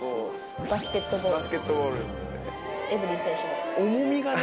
バスケットボール。